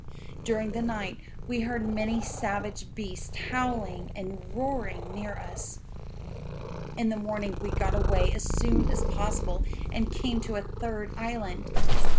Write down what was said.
During the night we heard many savage beasts howling and roaring near us. "'In the morning we got away as soon as possible, and came to a third island.